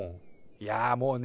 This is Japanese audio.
いやもうね。